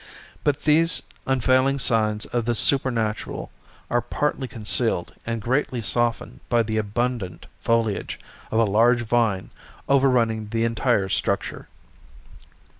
But these unfailing signs of the supernatural are partly concealed and greatly softened by the abundant foliage of a large vine overrunning the entire structure.